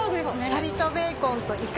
シャリとベーコンとイカ。